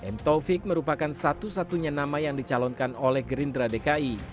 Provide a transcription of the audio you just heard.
m taufik merupakan satu satunya nama yang dicalonkan oleh gerindra dki